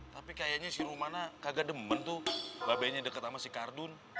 tapi kayaknya si rumana kagak demen tuh babenya deket sama si kardun